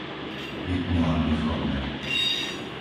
Vypni lampy v chodbe.